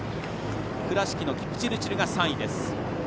倉敷のキプチルチルが３位。